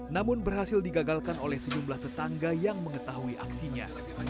namun berhasil digagalkan oleh sejumlah tetangga yang mengetahui aksinya